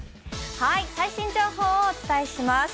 最新情報をお伝えします。